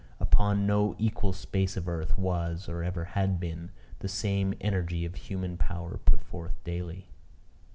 Upon no equal space of earth, was, or ever had been, the same energy of human power put forth daily.